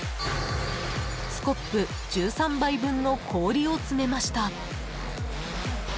スコップ１３杯分の氷を詰めました。